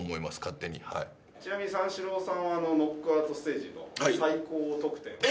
ちなみに三四郎さんはノックアウトステージの最高得点でした。